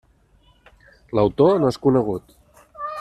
L'autor no és conegut.